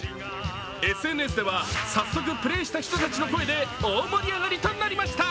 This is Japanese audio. ＳＮＳでは、早速プレーした人たちの声で大盛り上がりとなりました。